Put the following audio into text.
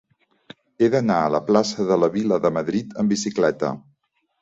He d'anar a la plaça de la Vila de Madrid amb bicicleta.